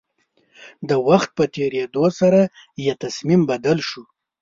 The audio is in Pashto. د وخت په تېرېدو سره يې تصميم بدل شو.